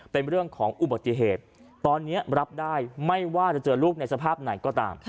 เป็นเรื่องของอุบัติเหตุตอนนี้รับได้ไม่ว่าจะเจอลูกในสภาพไหนก็ตาม